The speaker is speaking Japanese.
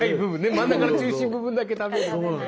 真ん中の中心部分だけ食べるのね。